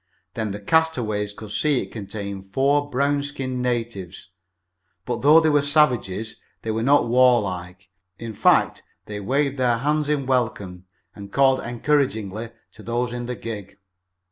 Then the castaways could see it contained four brown skinned natives. But, though they were savages, they were not warlike. In fact, they waved their hands in welcome, and called encouragingly to those in the gig.